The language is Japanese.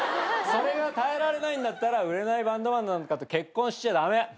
それが耐えられないんだったら売れないバンドマンなんかと結婚しちゃ駄目。